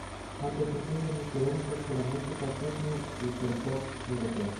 Ambos incluyen influencias de la música techno y del pop europeo.